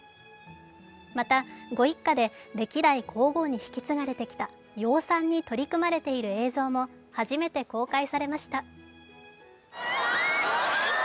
またご一家で歴代皇后に引き継がれてきた養蚕に取り組まれている映像も初めて公開されました。